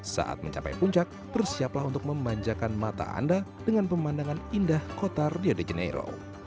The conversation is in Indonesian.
saat mencapai puncak bersiaplah untuk memanjakan mata anda dengan pemandangan indah kota rio de janeiro